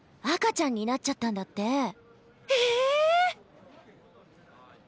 赤ちゃんになっちゃったんだって。え！